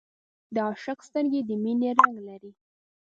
د عاشق سترګې د مینې رنګ لري